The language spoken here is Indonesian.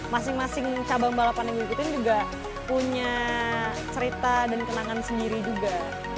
masing masing cabang balapan yang ngikutin juga punya cerita dan kenangan sendiri juga